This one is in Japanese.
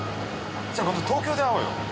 じゃあ今度東京で会おうよ。